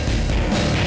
aku mau ngapain